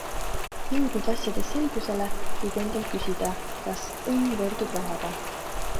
Jõudnud asjades selgusele, võid endalt küsida, kas õnn võrdub rahaga.